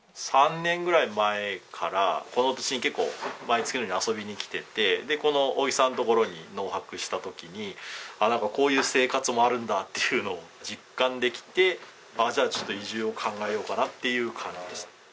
３年ぐらい前からこの土地に結構毎月のように遊びに来ててでこの大木さんの所に農泊した時になんかこういう生活もあるんだっていうのを実感できてああじゃあちょっと移住を考えようかなっていう感じでした。